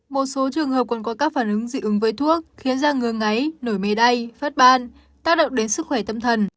một số trường hợp còn có các phản ứng dị ứng với thuốc khiến da ngứa ngáy nổi mề đay phát ban tác động đến sức khỏe tâm thần